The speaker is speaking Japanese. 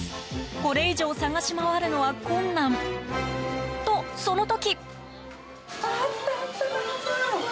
これ以上、探し回るのは困難と、その時。